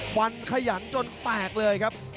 ขยันจนแตกเลยครับ